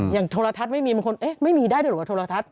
อย่างโทรทัศน์ไม่มีบางคนไม่มีได้หรือว่าโทรทัศน์